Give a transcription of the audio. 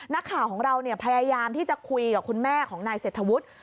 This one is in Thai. นักข่าวของเราพยายามที่จะคุยกับคุณแม่ของนายเศรษฐวุฒิ